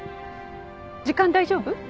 時間大丈夫？